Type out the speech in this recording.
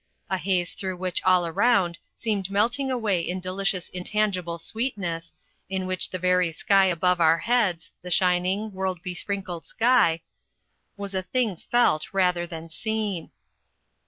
A haze through which all around seemed melting away in delicious intangible sweetness, in which the very sky above our heads the shining, world besprinkled sky was a thing felt rather than seen.